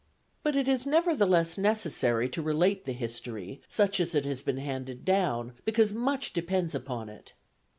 But it is nevertheless necessary to relate the history, such as it has been handed down, because much depends upon it.